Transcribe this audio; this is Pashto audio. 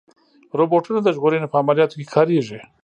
روبوټونه د ژغورنې په عملیاتو کې کارېږي.